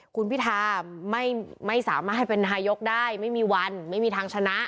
คุณพิธาไม่สามารถให้เป็นนายกได้ไม่มีวันไม่มีทางชนะ